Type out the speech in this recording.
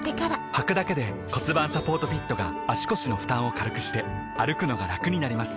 はくだけで骨盤サポートフィットが腰の負担を軽くして歩くのがラクになります